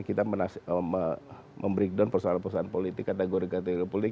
kita memberikan perusahaan perusahaan politik kategori kategori politik